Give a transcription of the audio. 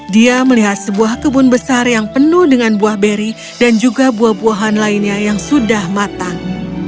dia melihat sebuah kebun besar yang penuh dengan buah beri dan juga buah buahan lainnya yang sudah matang